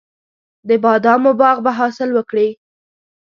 د بادامو باغ به حاصل وکړي.